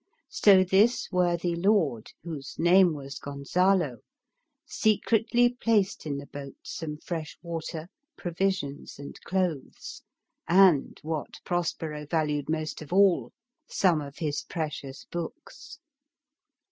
So this worthy lord, whose name was Gonzalo, secretly placed in the boat some fresh water, provisions, and clothes, and what Pros pero valued most of all, some of his precious books.